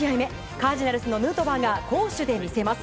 カージナルスのヌートバーが攻守で見せます。